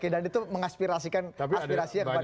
dan itu mengaspirasikan aspirasinya kepada anda